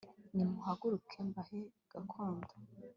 nimuhaguruke mbahe gakondo